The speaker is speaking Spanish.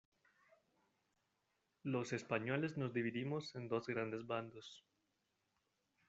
los españoles nos dividimos en dos grandes bandos: